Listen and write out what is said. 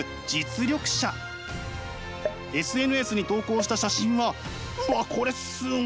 ＳＮＳに投稿した写真はうわっこれすごい！